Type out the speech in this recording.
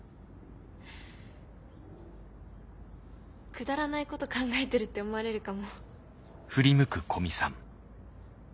くだらないこと考えてるって思われるかも。